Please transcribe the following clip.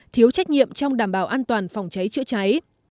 thiếu trách nhiệm trong đảm bảo an toàn phòng cháy chữa cháy